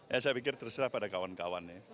ya saya pikir terserah pada kawan kawan ya